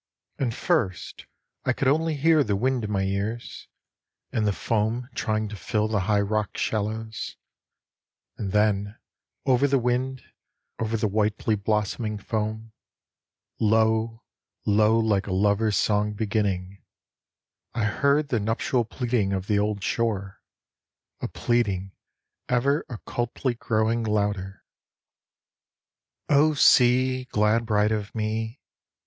And first I could only hear the wind in my ears, And the foam trying to fill the high rock shallows. And then, over the wind, over the whitely blossoming foam, Low, low, like a lover's song beginning, I heard the nuptial pleading of the old shore, A pleading ever occultly growing louder: _O sea, glad bride of me!